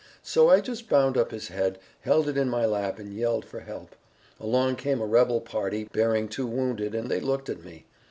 So I just bound up his head, held it in my lap, and yelled for help. Along came a rebel party, bearing two wounded, and they looked at me.